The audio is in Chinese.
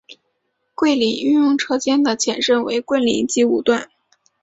桂林运用车间的前身为桂林机务段。